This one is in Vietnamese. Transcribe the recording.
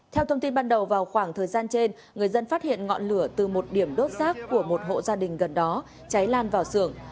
theo thông tin ban đầu vào khoảng thời gian trên người dân phát hiện ngọn lửa từ một điểm đốt rác của một hộ gia đình gần đó cháy lan vào xưởng